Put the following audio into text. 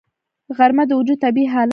غرمه د وجود طبیعي حالت دی